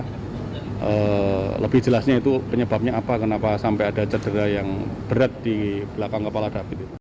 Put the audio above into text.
dan lebih jelasnya itu penyebabnya apa kenapa sampai ada cedera yang berat di belakang kepala david